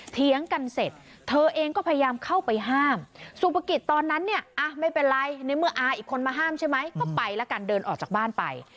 เถียงกันเสร็จเธอเองก็พยายามเข้าไปห้ามสุปกิจตอนนั้นเนี่ยไม่เป็นไรในเมื่ออาอีกคนมาห้ามใช่ไหมก็ไปแล้วกันเดินออกจากบ้านไป